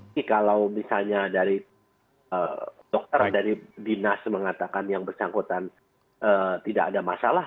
ini kalau misalnya dari dokter dari dinas mengatakan yang bersangkutan tidak ada masalah